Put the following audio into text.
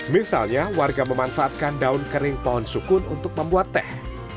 misalnya warga memanfaatkan daun kering pohon sukun untuk membuat teh